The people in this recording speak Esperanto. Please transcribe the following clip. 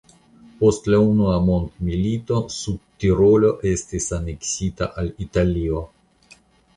Post la Unua Mondmilito Sudtirolo estis aneksita al Italio.